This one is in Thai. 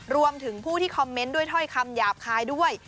รวมถึงผู้ที่คอมเมนต์ด้วยถ้อยคำหยาบคายด้วย